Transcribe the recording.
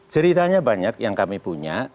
ceritanya banyak yang kami punya